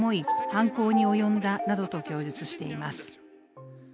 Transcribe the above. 犯行に及んだなどと供述しています。